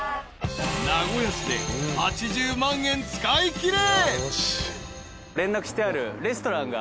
［名古屋市で８０万円使いきれ］